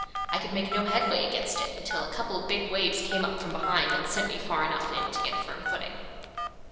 I could make no headway against it until a couple of big waves came up from behind, and sent me far enough in to get a firm footing.